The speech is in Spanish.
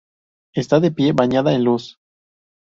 Está de pie, bañada en luz.